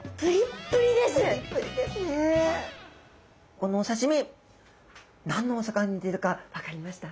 このお刺身何のお魚に似てるか分かりました？